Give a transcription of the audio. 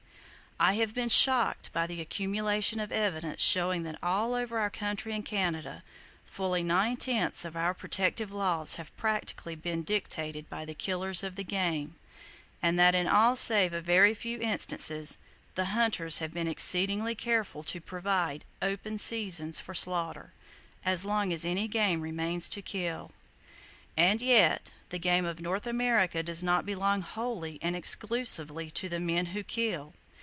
I have been shocked by the accumulation of evidence showing that all over our country and Canada fully nine tenths of our protective laws have practically been dictated by the killers of the game, and that in all save a very few instances the hunters have been exceedingly careful to provide "open seasons" for slaughter, as long as any game remains to kill! And yet, the game of North America does not belong wholly and exclusively to the men who kill!